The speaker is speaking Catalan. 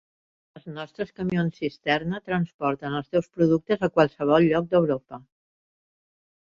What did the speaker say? Els nostres camions cisterna transporten els teus productes a qualsevol lloc d'Europa.